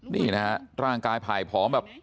นี่นะฮะร่างกายผ่ายผอมแบบ